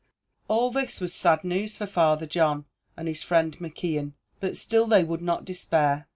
All this was sad news for Father John, and his friend McKeon, but still they would not despair.